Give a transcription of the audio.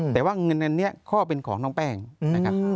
แต่ว่าเงินอันนี้ข้อเป็นของน้องแป้งนะครับ